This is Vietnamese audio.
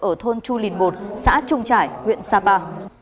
ở thôn chu lìn một xã trung trải huyện sapa